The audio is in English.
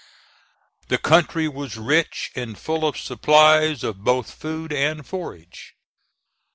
The country was rich and full of supplies of both food and forage.